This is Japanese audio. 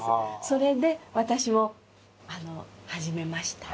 それで私も始めました。